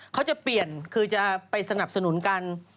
เขาจะเปลี่ยนคือจะไปสนับสนุนกัน